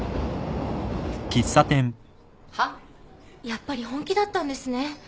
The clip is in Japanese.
やっぱり本気だったんですね。